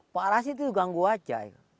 pak ras itu ganggu aja